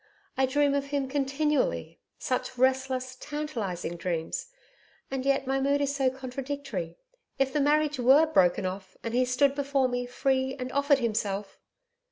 I dream of him continually such restless, tantalising dreams. And yet my mood is so contradictory. If the marriage WERE broken off and he stood before me, free, and offered himself!